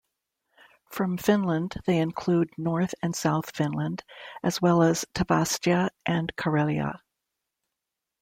From Finland they include North and South Finland, as well as Tavastia and Karelia.